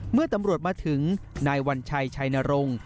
เมื่อตำรวจมาถึงนายวัญชัยชัยนรงค์